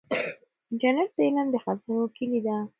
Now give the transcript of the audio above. انټرنیټ د علم د خزانو کلي ده.